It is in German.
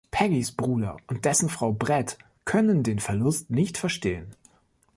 Peggys Bruder und dessen Frau Bret können den Verlust nicht verstehen.